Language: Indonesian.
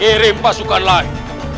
kirim pasukan lain